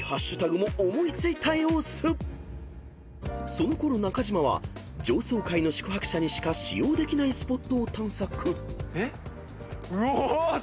［そのころ中島は上層階の宿泊者にしか使用できないスポットを探索］